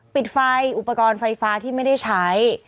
ปิดไฟอุปกรณ์ไฟฟ้าที่ไม่ได้ใช้